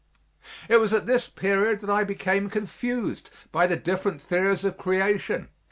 It was at this period that I became confused by the different theories of creation.